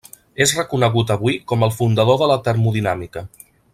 És reconegut avui com el fundador de la termodinàmica.